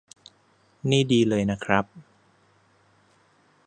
นี่ดีเลยนะครับ